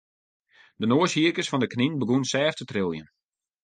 De noashierkes fan de knyn begûnen sêft te triljen.